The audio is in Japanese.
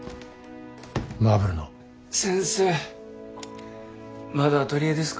マーブルの先生まだアトリエですか？